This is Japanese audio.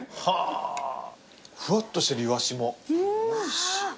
ふわっとしてるイワシも。